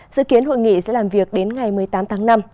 dự kiến hội nghị sẽ làm việc đến ngày một mươi tám tháng năm